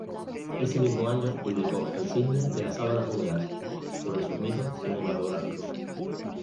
Ese mismo año publicó "El cine de las sábanas húmedas" sobre sus mitos cinematográficos.